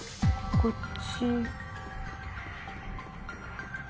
こっち。